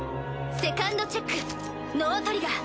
セカンドチェックノートリガー。